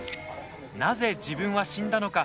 なぜ自分は死んだのか